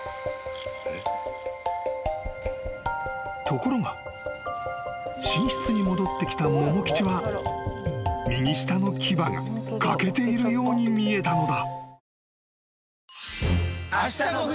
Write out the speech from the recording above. ［ところが寝室に戻ってきた百吉は右下の牙が欠けているように見えたのだ］